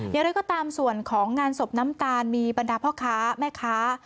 อย่างไรก็ตามส่วนของงานศพน้ำตาลมีบรรดาพ่อค้าแม่ค้า